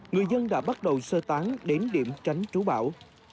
người dân đã bắt đầu sơ tán đến điểm tránh trú bão